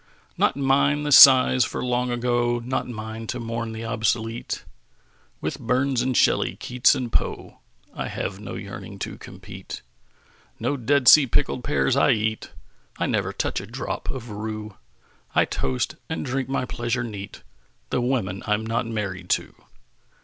Not mine the sighs for Long Ago; Not mine to mourn the obsolete; With Burns and Shelley, Keats and Poe I have no yearning to compete. No Dead Sea pickled pears I eat; I never touch a drop of rue; I toast, and drink my pleasure neat, The women I'm not married to!